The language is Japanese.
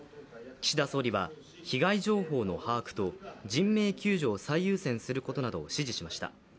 岸田総理は被害情報の把握と人命救助を最優先することなどを指示しました。